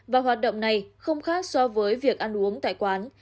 và hoạt động này không khác so với việc ăn uống tại quán